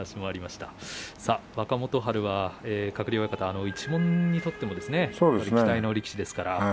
若元春は鶴竜親方一門にとっても期待の力士ですね。